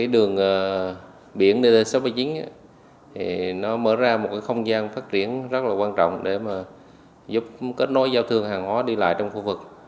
đường biển dt sáu trăm ba mươi chín mở ra một không gian phát triển rất quan trọng để giúp kết nối giao thương hàng hóa đi lại trong khu vực